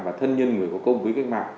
và thân nhân người hữu công với cách mạng